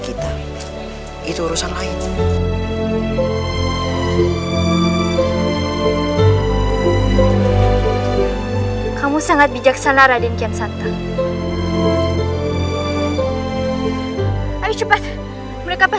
kita georgetown itu baru bahwa saya tanggal mulia